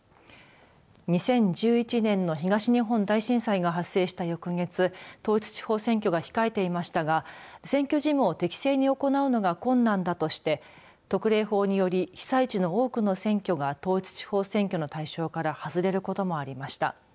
２０１１年の東日本大震災が発生した翌月統一地方選挙が控えていましたが選挙事務を適正に行うのは困難だとして特例法により被災地の多くの選挙が統一地方選挙の対象から外れることもありました。